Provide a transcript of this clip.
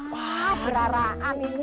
wah beraraan ini